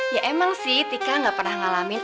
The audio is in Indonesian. ya emang sih tika gak pernah ngalamin